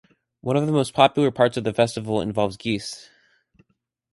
One of the most popular parts of the festival involves geese.